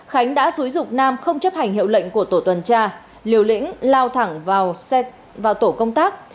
khánh đã xúi dục nam không chấp hành hiệu lệnh của tổ tuần tra liều lĩnh lao thẳng vào tổ công tác